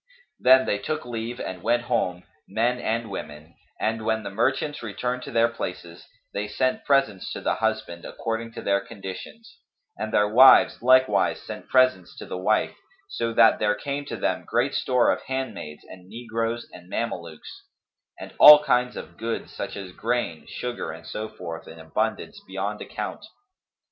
Then they took leave and went home, men and women; and, when the merchants returned to their places, they sent presents to the husband according to their conditions; and their wives likewise sent presents to the wife, so that there came to them great store of handmaids and negroes and Mamelukes; and all kinds of goods, such as grain, sugar and so forth, in abundance beyond account.